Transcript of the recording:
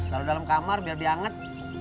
taruh di dalam kamar biar dianget